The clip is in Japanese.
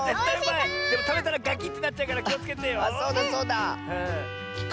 でもたべたらガキッてなっちゃうからきをつけてよ。